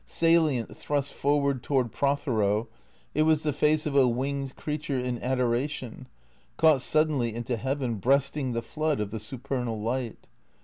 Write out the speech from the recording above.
Salient, thrust forward toward Prothero, it was the face of a winged creature in adoration, caught suddenly into heaven, breasting the flood of the supernal light.